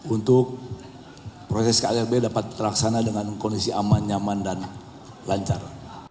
untuk proses klb dapat terlaksana dengan kondisi aman nyaman dan lancar